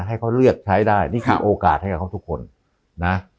ให้เขาเลือกใช้ได้นี่คือโอกาสให้กับเขาทุกคนนะ